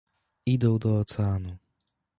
Idą do Oceanu.